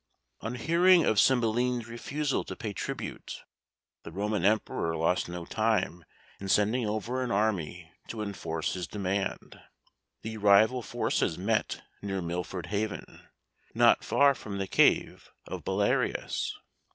On hearing of Cymbeline's refusal to pay tribute, the Roman Emperor lost no time in sending over an army to enforce his demand. The rival forces met near Milford Haven, not far from the cave of Belarius.